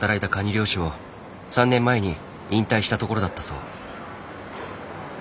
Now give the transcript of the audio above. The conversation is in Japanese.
漁師を３年前に引退したところだったそう。